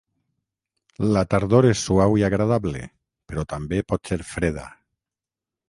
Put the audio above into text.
La tardor és suau i agradable, però també pot ser freda.